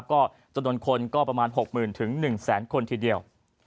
ก็จำนวนคนก็ประมาณ๖๐๐๐๑๐๐๐คนทีเดียว